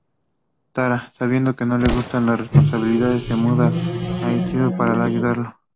Tara, sabiendo que no le gustan las responsabilidades, se muda a Hilltop para ayudarlo.